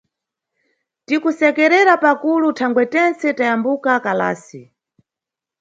Tikusekerera pakulu thangwe tentse tayambuka kalasi.